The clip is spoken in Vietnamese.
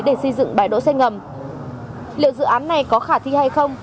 dự án này có khả thi hay không